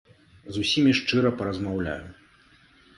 З усімі шчыра паразмаўляю.